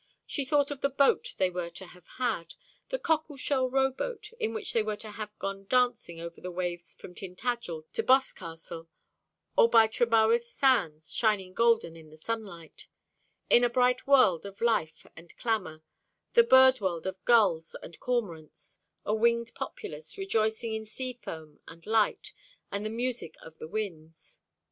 She thought of the boat they were to have had the cockle shell rowboat in which they were to have gone dancing over the waves from Tintagel to Boscastle, or by Trebarwith sands, shining golden in the sunlight in a bright world of life and clamour, the bird world of gulls and cormorants, a winged populace, rejoicing in sea foam, and light, and the music of the winds.